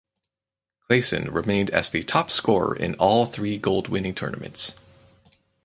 Claesson remained as the top scorer in all three gold winning tournaments.